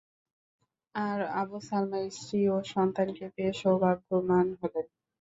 আর Abu Salama স্ত্রী ও সন্তানকে পেয়ে সৌভাগ্যবান হলেন।